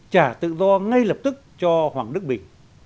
trả tự do ngay lập tức cho hoàng đức bình